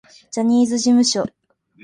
ジャニーズ事務所